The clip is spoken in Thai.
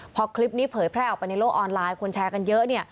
พอคลิปนี้เผยแพร่ออกไปในโลกออนไลน์คนแชร์กันเยอะ